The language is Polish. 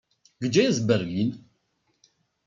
Gdzie jest Berlin?